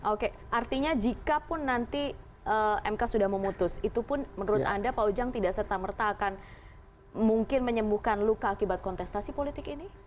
oke artinya jikapun nanti mk sudah memutus itu pun menurut anda pak ujang tidak serta merta akan mungkin menyembuhkan luka akibat kontestasi politik ini